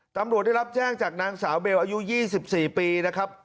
ตำรวจได้รับแจ้งจากนางสาวเบลอายุ๒๔ปีนะครับ